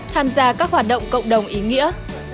tham gia các hoạt động cộng đồng ý nghĩa